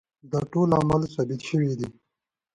دا ټول اعمال ثابت شوي دي.